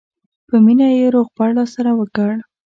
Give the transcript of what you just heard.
په مینه یې روغبړ راسره وکړ.